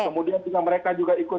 kemudian mereka juga ikut